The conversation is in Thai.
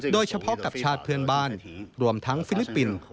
โดยเฉพาะกับชาติเพื่อนบ้านรวมทั้งฟิลิปปินส์